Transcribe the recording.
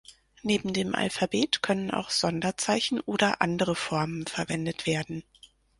Neben dem Alphabet können auch Sonderzeichen oder andere Formen verwendet werden.